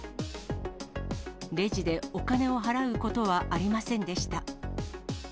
レジでお金を払うことはありませんでした。